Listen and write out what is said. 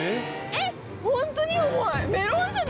えっホントに重い！